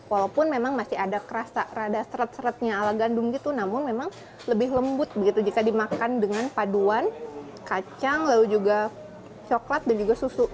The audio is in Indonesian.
walaupun memang masih ada seret seretnya ala gandum gitu namun memang lebih lembut begitu jika dimakan dengan paduan kacang lalu juga coklat dan juga susu